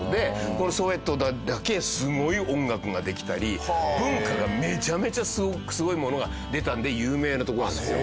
このソウェトだけすごい音楽ができたり文化がめちゃめちゃすごいものが出たので有名な所なんですよ。